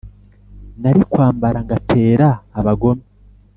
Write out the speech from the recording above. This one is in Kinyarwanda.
Nari kwambara ngatera abagome